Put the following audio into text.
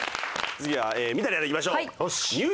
次は三谷アナいきましょう。